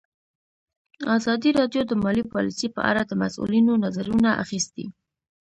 ازادي راډیو د مالي پالیسي په اړه د مسؤلینو نظرونه اخیستي.